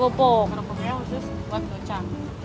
kelompoknya khusus buat docang